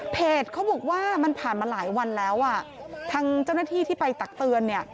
เขาบอกว่ามันผ่านมาหลายวันแล้วอ่ะทางเจ้าหน้าที่ที่ไปตักเตือนเนี่ย